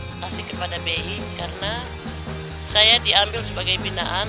terima kasih kepada bi karena saya diambil sebagai binaan